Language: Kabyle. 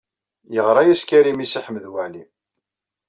Yeɣṛa-yas Karim i Si Ḥmed Waɛli.